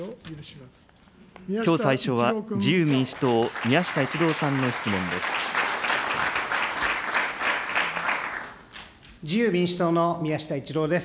きょう最初は、自由民主党、宮下一郎さんの質問です。